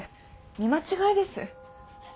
見間違いです。